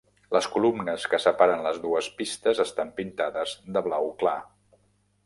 Les columnes que separen les dues pistes estan pintades de blau clar.